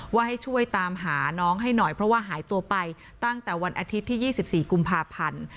ว่าให้ช่วยตามหาน้องให้หน่อยเพราะว่าหายตัวไปตั้งแต่วันอาทิตย์ที่๒๔กุมภาพันธ์